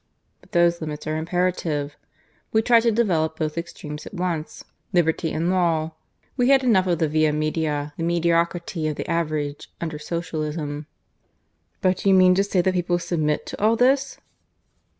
But those limits are imperative. We try to develop both extremes at once liberty and law. We had enough of the via media the mediocrity of the average under Socialism." "But do you mean to say that people submit to all this?"